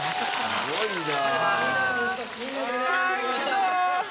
すごいな！